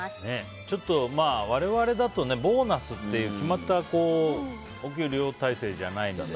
ちょっと我々だとボーナスっていう決まったお給料体制じゃないので。